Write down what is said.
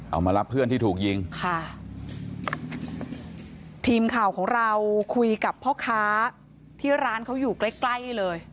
เอามารับเพื่อนที่ถูกยิงค่ะทีมข่าวของเราคุยกับพ่อค้าที่ร้านเขาอยู่ใกล้ใกล้เลย